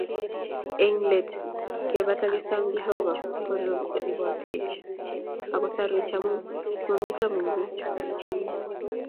Eng let kebat kesom Jehovah koribotech ako kosorwech amu mometoi Mungu chinyi